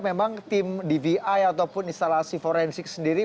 memang tim dvi ataupun instalasi forensik sendiri